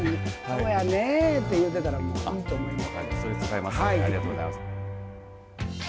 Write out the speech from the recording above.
そやねえって言うてたらいいと思いますよ。